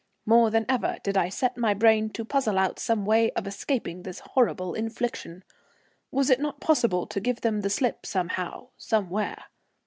More than ever did I set my brain to puzzle out some way of escaping this horrible infliction. Was it not possible to give them the slip, somehow, somewhere?